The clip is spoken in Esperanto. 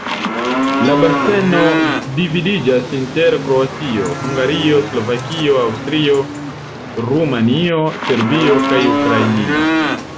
La baseno dividiĝas inter Kroatio, Hungario, Slovakio, Aŭstrio, Rumanio, Serbio kaj Ukrainio.